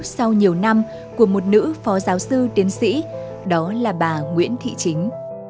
sau nhiều năm của một nữ phó giáo sư tiến sĩ đó là bà nguyễn thị chính